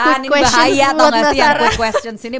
hai tuhan ini bahaya tau gak sih yang quick questions ini